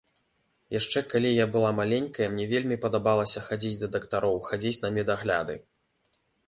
Яшчэ калі я была маленькая, мне вельмі падабалася хадзіць да дактароў, хадзіць на медагляды.